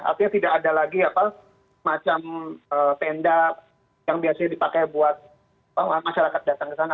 artinya tidak ada lagi macam tenda yang biasanya dipakai buat masyarakat datang ke sana